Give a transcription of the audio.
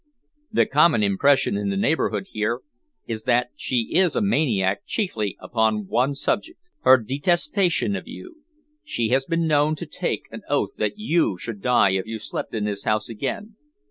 "The common impression in the neighbourhood here is that she is a maniac chiefly upon one subject her detestation of you. She has been known to take an oath that you should die if you slept in this house again.